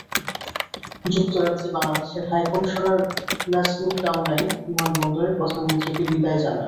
যুক্তরাজ্যে বাংলাদেশের হাইকমিশনার নাজমুল কাওনাইন বিমানন্দরে প্রধানমন্ত্রীকে বিদায় জানান।